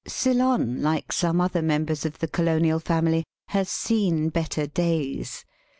Ceylon, like some other members of the colonial family, has seen better days.